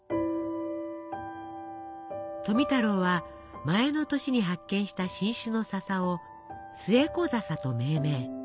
富太郎は前の年に発見した新種のささをスエコザサと命名。